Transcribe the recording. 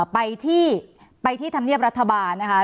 ไปที่ไปที่ธรรมเนียบรัฐบาลนะคะ